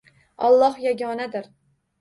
Olloh yagonadir